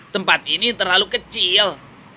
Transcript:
tempat ini terlalu kecil